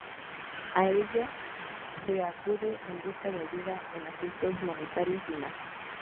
A ella se acude en busca de ayuda en asuntos monetarios y más.